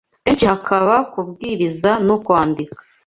Kenshi haba kubwiriza no kwandika,